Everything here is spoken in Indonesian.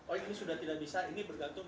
oh ini sudah tidak bisa ini bergantung